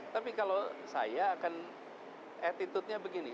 tapi kalau saya akan attitude nya begini